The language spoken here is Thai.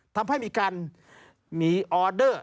ทำให้มีการมีออเดอร์